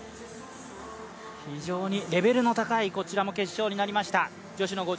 非常にレベルの高い決勝になりました。